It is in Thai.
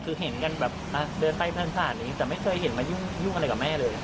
คือเห็นกันแบบเดินใต้สถานศาสตร์นี้แต่ไม่เคยเห็นมายุ่งอะไรกับแม่เลย